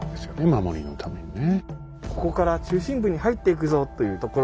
守りのためにね。